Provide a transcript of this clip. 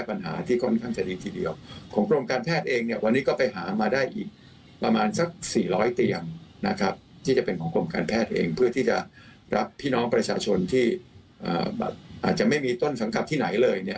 ประชาชนที่อาจจะไม่มีต้นสังคับที่ไหนเลย